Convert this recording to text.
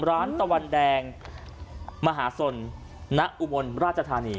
ตะวันแดงมหาสนณอุบลราชธานี